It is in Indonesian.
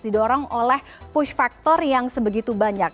didorong oleh push factor yang sebegitu banyak